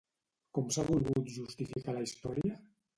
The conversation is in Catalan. Com s'ha volgut justificar la història?